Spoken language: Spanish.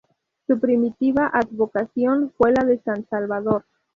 Su primitiva advocación fue la de San Salvador.